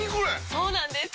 そうなんです！